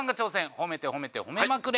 褒めて褒めて褒めまくれ！